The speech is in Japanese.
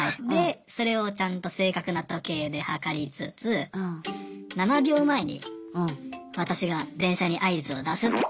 それをちゃんと正確な時計で計りつつ７秒前に私が電車に合図を出す。